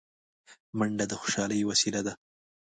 منډه د خوشحالۍ وسیله ده